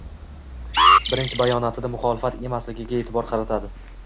birinchi bayonotida muxolifat emasligiga e’tibor qaratadi